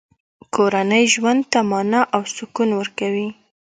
کورنۍ ژوند ته مانا او سکون ورکوي.